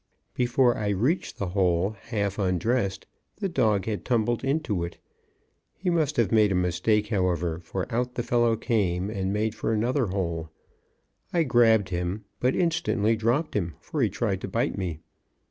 Before I reached the hole half undressed the dog had tumbled into it. He must have made a mistake, however, for out the fellow came, and made for another hole. I grabbed him, but instantly dropped him, for he tried to bite me.